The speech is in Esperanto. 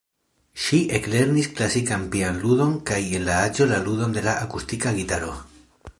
Ŝi eklernis klasikan pianludon kaj en la aĝo la ludon de akustika gitaro.